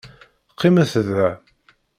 Qimet da.